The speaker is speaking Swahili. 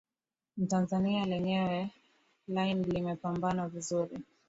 mtanzania lenyewe line lime limepambwa vizuri